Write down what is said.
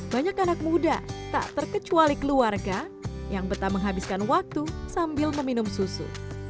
banyak anak muda tak terkecuali keluarga yang betah menghabiskan waktu sambil meminum susu